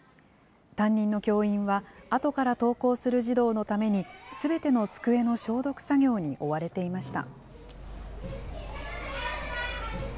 担任の教員は、あとから登校する児童のために、すべての机の消毒作業に追われていました。